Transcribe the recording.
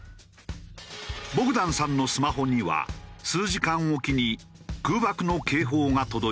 ボグダンさんのスマホには数時間おきに空爆の警報が届いている。